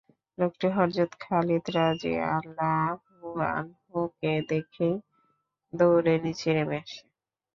লোকটি হযরত খালিদ রাযিয়াল্লাহু আনহু-কে দেখেই দৌড়ে নিচে নেমে আসে।